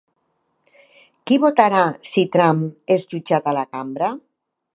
Qui votarà si Trump és jutjat a la cambra?